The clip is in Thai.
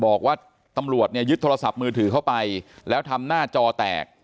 บอกว่าตำรวจเนี่ยยึดโทรศัพท์มือถือเข้าไปแล้วทำหน้าจอแตก